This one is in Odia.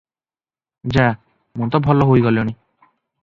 ଯା, ମୁଁ ତ ଭଲ ହୋଇଗଲିଣି ।"